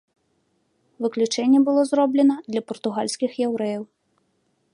Выключэнне было зроблена для партугальскіх яўрэяў.